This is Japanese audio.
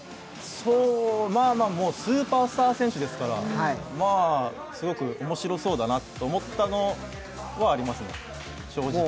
もうスーパースター選手ですから、すごく面白そうだなと思ったのはありますね、正直。